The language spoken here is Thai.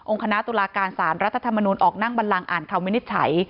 องค์คณะตุลาการสารรัฐธรรมนุนออกนั่งบรรลังอ่านคร่าวไม่นิดฉัย